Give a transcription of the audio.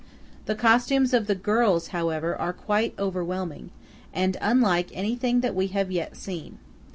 The costumes of the girls, however, are quite overwhelming, and unlike anything that we have yet seen.